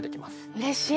うれしい！